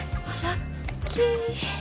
ラッキー！